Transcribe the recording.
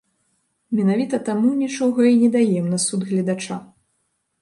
Менавіта таму, нічога і не даем на суд гледача.